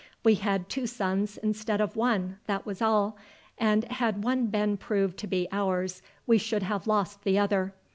We had two sons instead of one, that was all; and had one been proved to be ours, we should have lost the other.